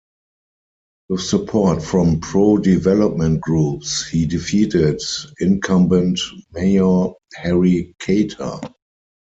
With support from pro-development groups, he defeated incumbent mayor Harry Cater.